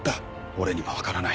俺には分からない。